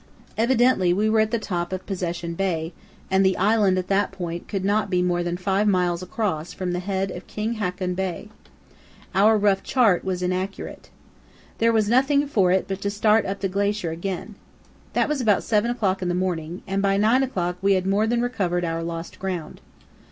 Evidently we were at the top of Possession Bay, and the island at that point could not be more than five miles across from the head of King Haakon Bay. Our rough chart was inaccurate. There was nothing for it but to start up the glacier again. That was about seven o'clock in the morning, and by nine o'clock we had more than recovered our lost ground.